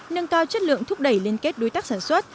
nâng cao chất lượng thúc đẩy liên kết đối tác sản xuất